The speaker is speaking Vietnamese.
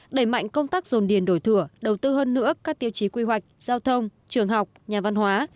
đẩy mạnh công tác dồn điền đổi thửa đầu tư hơn nữa các tiêu chí quy hoạch giao thông trường học nhà văn hóa